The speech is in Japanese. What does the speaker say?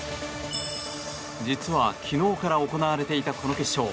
実は、昨日から行われていたこの決勝。